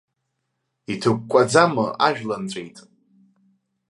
Иҭыкәкәаӡама, ажәланҵәеит!